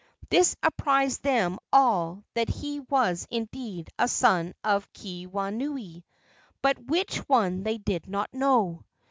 This apprised them all that he was indeed a son of Keawenui, but which one they did not know.